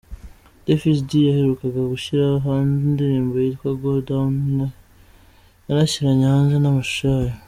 Davis D yaherukaga gushyira hanze indirimbo yitwa ‘Go Down’ yanashyiranye hanze n’amashusho yayo.